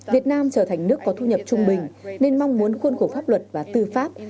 việt nam trở thành nước có thu nhập trung bình nên mong muốn khuôn khổ pháp luật và tư pháp